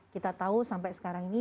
kita tahu sampai sekarang ini